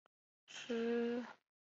岁月不居，时节如流。